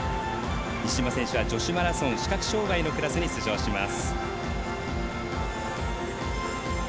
西島選手は女子マラソン視覚障がいのクラスに出場します。